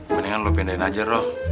mendingan lo pindahin aja roh